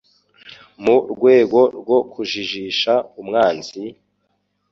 mu rwego rwo kujijisha umwanzi,